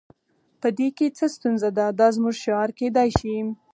په دې کې څه ستونزه ده دا زموږ شعار کیدای شي